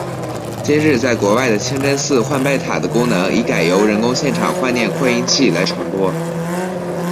今日在国外的清真寺唤拜塔的功能已改由人工现场唤念扩音器来传播。